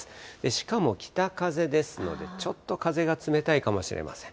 しかも北風ですので、ちょっと風が冷たいかもしれません。